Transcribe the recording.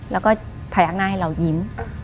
แล้วก็พยักหน้าให้เรายิ้ม